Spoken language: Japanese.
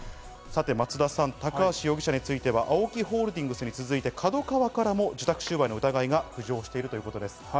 松田さん、高橋容疑者についてはＡＯＫＩホールディングスに続いてＫＡＤＯＫＡＷＡからも受託収賄の疑いが浮上しているということです。